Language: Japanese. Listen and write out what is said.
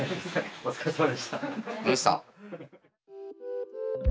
お疲れさまでした。